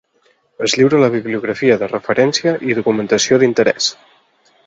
Es lliura la bibliografia de referència i documentació d'interès.